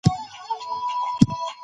خلک دا بدلون خوښوي.